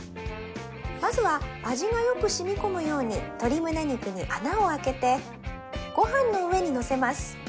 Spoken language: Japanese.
まずは味がよく染み込むように鶏胸肉に穴を開けてごはんの上にのせます